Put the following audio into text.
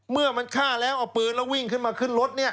เมื่อมันฆ่าแล้วเอาปืนแล้ววิ่งขึ้นมาขึ้นรถ